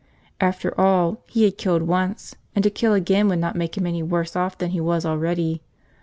After all, he had killed once, and to kill again would not make him any worse off than he was already.